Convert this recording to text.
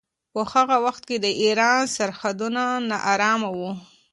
په هغه وخت کې د ایران سرحدونه ناارامه وو.